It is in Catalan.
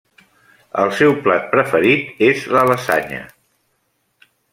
El seu plat preferit és la lasanya.